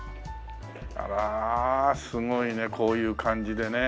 あらすごいねこういう感じでね。